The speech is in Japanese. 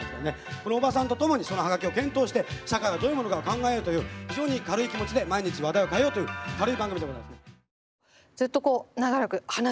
そのおばさんと共にその葉書を検討して社会はどういうものかを考えようという非常に軽い気持ちで毎日話題を変えようという軽い番組でございますね。